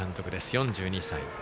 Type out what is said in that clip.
４２歳。